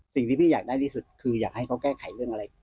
สิ่งที่พี่อยากได้ที่สุดคืออยากให้เขาแก้ไขเรื่องอะไร